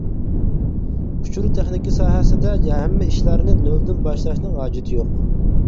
ئۇچۇر تېخنىكا ساھەسىدە ھەممە ئىشلارنى نۆلدىن باشلاشنىڭ ھاجىتى يوق.